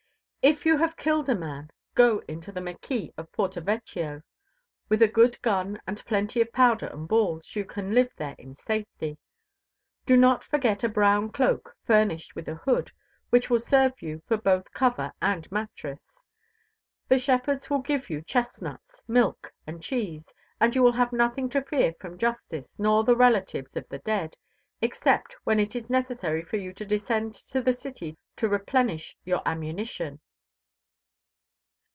If you have killed a man, go into the mâquis of Porto Vecchio. With a good gun and plenty of powder and balls, you can live there in safety. Do not forget a brown cloak furnished with a hood, which will serve you for both cover and mattress. The shepherds will give you chestnuts, milk and cheese, and you will have nothing to fear from justice nor the relatives of the dead except when it is necessary for you to descend to the city to replenish your ammunition.